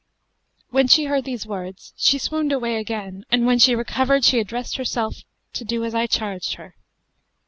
When she heard these words, she swooned away again; and, when she recovered, she addressed herself to do as I charged her.